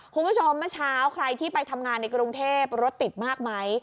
คุณผู้ชมเมื่อเช้าใครที่ไปทำงานในกรุงเทพรถติดมากไหม